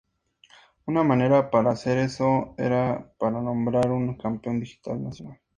Una manera para hacer eso era para nombrar un Campeón Digital nacional.